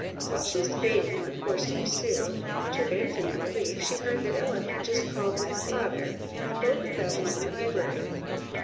While she was debating what course to pursue, to her infinite relief she heard that Ellen had just called with her father, and that both of them were in the library.